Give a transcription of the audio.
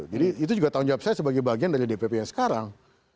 jadi itu juga tanggung jawab saya sebagai bagian dari dpp yang sekarang